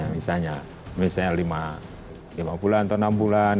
misalnya misalnya lima bulan atau enam bulan